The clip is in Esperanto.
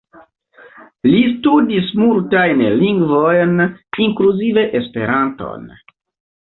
Li studis multajn lingvojn, inkluzive Esperanton.